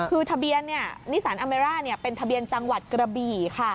คือทะเบียนนิสันอเมร่าเป็นทะเบียนจังหวัดกระบี่ค่ะ